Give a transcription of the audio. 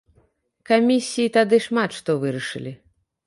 Камісіі тады шмат што вырашалі.